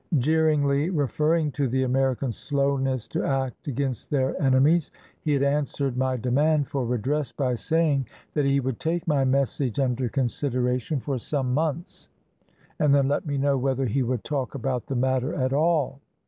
Jeeringly referring to the American slowness to act against their enemies, he had answered my demand for redress by saying that he would take my message under consideration for some 552 PREPARING OUR MOROS FOR GOVERNMENT months, and then let me know whether he would talk about the matter at all.